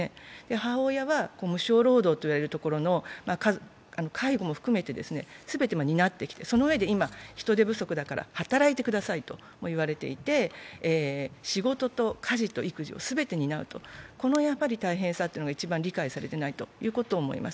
母親は小労働と言われるところの介護も含めて、全て担ってきて、その上で今、人手不足だから働いてくださいと言われていて、仕事と家事と育児を全て担うと、この大変さが一番理解されていないと思います。